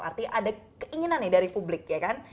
artinya ada keinginan nih dari publik ya kan